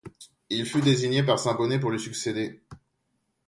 Il fut désigné par Saint Bonnet pour lui succéder.